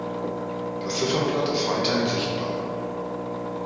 Das Zifferblatt ist weithin sichtbar.